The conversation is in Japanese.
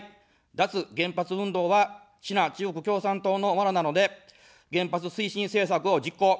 脱原発運動はシナ、中国共産党のワナなので原発推進政策を実行。